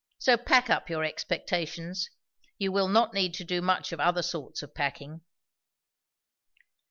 So pack up your expectations; you will not need to do much of other sorts of packing."